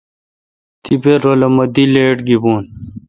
تی رو لہ می دی لیٹ گیبوں۔